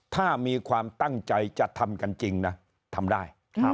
ถ้ามีความตั้งใจจะทำกันจริงนะทำได้